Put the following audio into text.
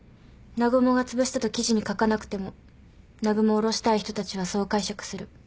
南雲がつぶしたと記事に書かなくても南雲を降ろしたい人たちはそう解釈する。